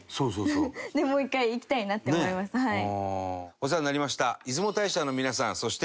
お世話になりました